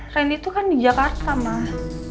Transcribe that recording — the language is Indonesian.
randy itu kan di jakarta mah